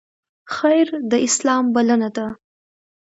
خیر د اسلام بلنه ده